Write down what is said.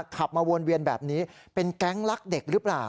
ขับมาวนเวียนแบบนี้เป็นแก๊งลักเด็กหรือเปล่า